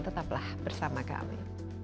tetaplah bersama kami